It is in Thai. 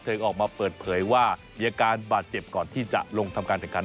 ออกมาเปิดเผยว่ามีอาการบาดเจ็บก่อนที่จะลงทำการแข่งขัน